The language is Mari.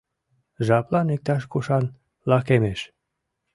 Жаплан иктаж-кушан лакемеш.